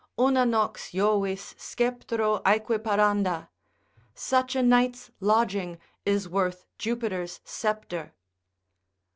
Una nox Jovis sceptro aequiparanda, such a night's lodging is worth Jupiter's sceptre.